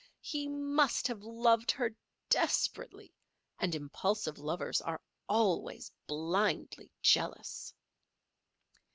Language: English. He must have loved her desperately; and impulsive lovers are always blindly jealous.